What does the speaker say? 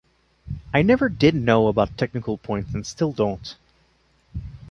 I never did know about technical points and still don't.